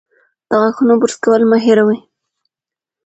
د غاښونو برس کول مه هېروئ.